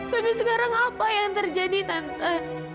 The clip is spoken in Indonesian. tapi sekarang apa yang terjadi tante